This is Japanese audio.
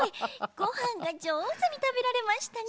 ごはんがじょうずにたべられましたね。